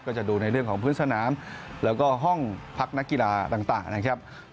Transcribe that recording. จะดูในเรื่องของพื้นสนามแล้วก็ห้องพักนักกีฬาต่างนะครับ